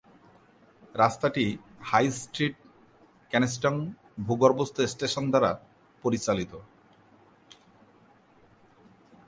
রাস্তাটি high street Kensington ভূগর্ভস্থ station দ্বারা পরিচালিত।